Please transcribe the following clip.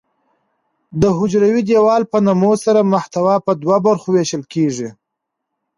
د حجروي دیوال په نمو سره محتوا په دوه برخو ویشل کیږي.